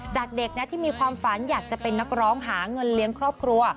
จากเด็กนะที่มีความฝันอยากจะเป็นนักร้องหาเงินเลี้ยงครอบครัว